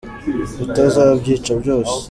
Utazabyica byose